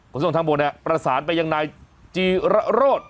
ส่งทางบกเนี่ยประสานไปยังนายจีระโรธ